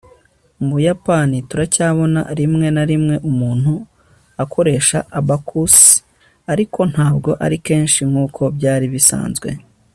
mu buyapani, turacyabona rimwe na rimwe umuntu akoresha abacus, ariko ntabwo ari kenshi nkuko byari bisanzwe